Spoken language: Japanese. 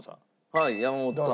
はい山本さん。